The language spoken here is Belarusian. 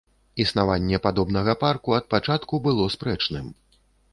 Існаванне падобнага парку ад пачатку было спрэчным.